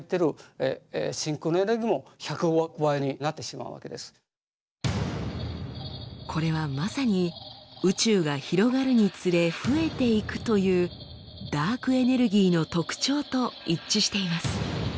つまりこれはまさに宇宙が広がるにつれ増えていくというダークエネルギーの特徴と一致しています。